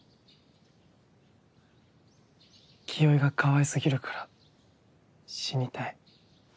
清居がかわいすぎるから死にたい。